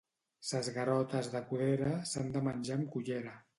Ses garotes de Codera, s'han de menjar amb cullera.